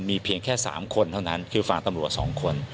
มีเพียงแค่๓คนเท่านั้นคือฝั่งตำรวจ๒คน